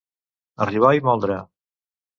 Arribar i moldre.